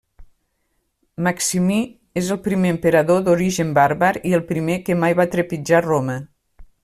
Maximí és el primer emperador d'origen bàrbar i el primer que mai va trepitjar Roma.